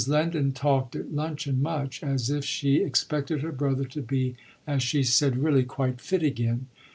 Lendon talked at luncheon much as if she expected her brother to be, as she said, really quite fit again.